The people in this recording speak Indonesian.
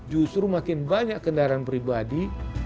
justru makin banyak kendaraan pribadi